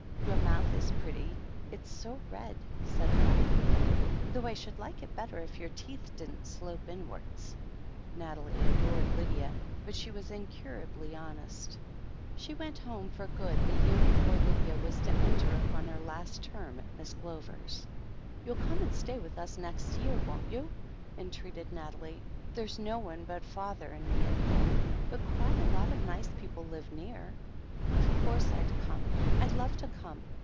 "Your mouth is pretty, it's so red," said Nathalie. "Though I should like it better if your teeth didn't slope inwards." 77 78 THE HEEL OF ACHILLES Nathalie adored' Lydia, but she was incurably honest She went home for good the year before Lydia was to enter upon her last term at Miss Glover's. "You'll come and stay with us next year, won't you?" entreated Nathalie. "There's no one but father and me at home, but quite a lot of nice people live near." "Of course I'll come. I'd love to come.